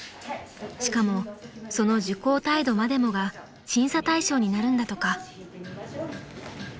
［しかもその受講態度までもが審査対象になるんだとか］